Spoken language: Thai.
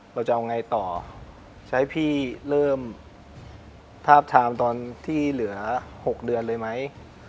เราจะเอาไงต่อใช้พี่เริ่มทาบทามตอนที่เหลือ๖เดือนเลยไหม